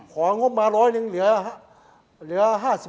ของก้อมาร้อยหนึ่งเหลือห้าสิบหกสิบ